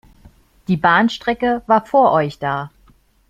Die Bahnstrecke war vor euch da.